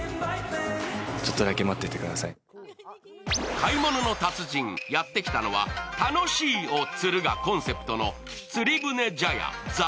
「買い物の達人」やってきたのは楽しい！を釣るがコンセプトの釣船茶屋ざ